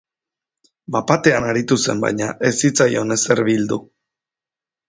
Bat-batean aritu zen baina ez zitzaion ezer bildu.